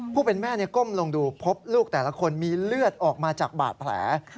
ผู้เป็นแม่ก้มลงดูพบลูกแต่ละคนมีเลือดออกมาจากบาดแผล